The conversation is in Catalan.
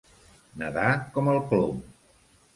Nedar com el plom.